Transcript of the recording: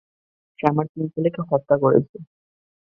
সে আমার তিন ছেলেকে হত্যা করেছে।